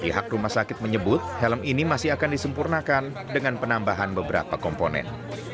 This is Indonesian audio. pihak rumah sakit menyebut helm ini masih akan disempurnakan dengan penambahan beberapa komponen